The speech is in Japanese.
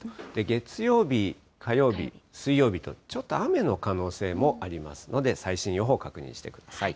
月曜日、火曜日、水曜日とちょっと雨の可能性もありますので、最新予報、確認してください。